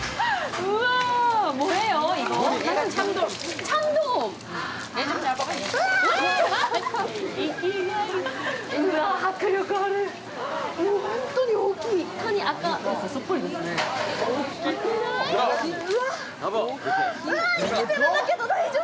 ウワァ、生きてるんだけど、大丈夫！？